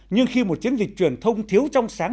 nhưng khi một chiến dịch truyền thông thiếu trong sáng